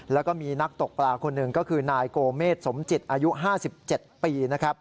แล้วก็มีนักตกปลาคนหนึ่งก็คือนายโกเมษสมจิตอายุ๕๗ปีนะครับ